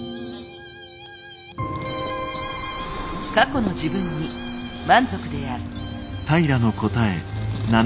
過去の自分に満足である。